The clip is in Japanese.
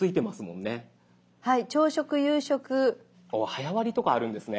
早割とかあるんですね。